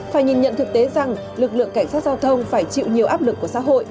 phải nhìn nhận thực tế rằng lực lượng cảnh sát giao thông phải chịu nhiều áp lực của xã hội